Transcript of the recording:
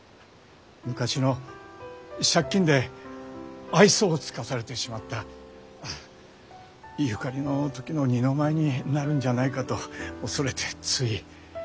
昔の借金で愛想を尽かされてしまったゆかりの時の二の舞になるんじゃないかと恐れてつい。